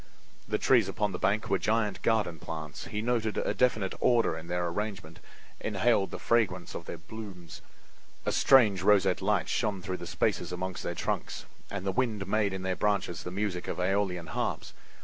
The trees upon the bank were giant garden plants; he noted a definite order in their arrangement, inhaled the fragrance of their blooms. A strange roseate light shone through the spaces among their trunks and the wind made in their branches the music of AEolian harps.